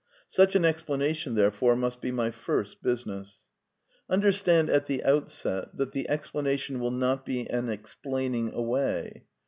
Such an explanation, therefore, must be my first business. Understand, at the outset, that the explanation will not be an explaining away.